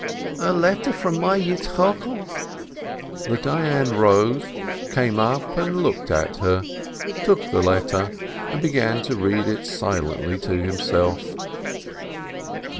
"A letter from my Yitzchokel." The Dayan rose, came up and looked at her, took the letter, and began to read it silently to himself.